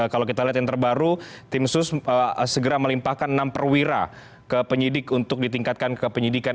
kalau kita lihat yang terbaru tim sus segera melimpahkan enam perwira ke penyidik untuk ditingkatkan ke penyidikan